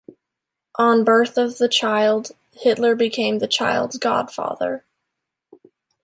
On birth of the child, Hitler became the child's godfather.